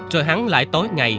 rồi hắn lại tối ngày